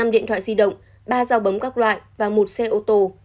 năm điện thoại di động ba dao bấm các loại và một xe ô tô